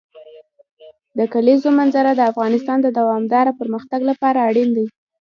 د کلیزو منظره د افغانستان د دوامداره پرمختګ لپاره اړین دي.